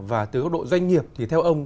và từ các đội doanh nghiệp thì theo ông